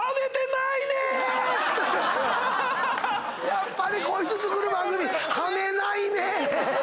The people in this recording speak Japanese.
やっぱりこいつ作る番組ハネないねぇ！